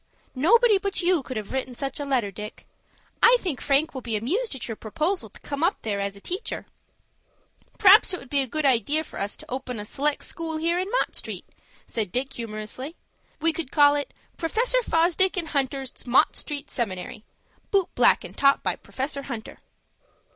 Nobody but you could have written such a letter, Dick. I think Frank will be amused at your proposal to come up there as teacher." "P'r'aps it would be a good idea for us to open a seleck school here in Mott Street," said Dick, humorously. "We could call it 'Professor Fosdick and Hunter's Mott Street Seminary.' Boot blackin' taught by Professor Hunter."